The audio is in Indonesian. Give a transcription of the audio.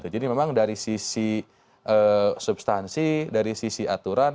jadi memang dari sisi substansi dari sisi aturan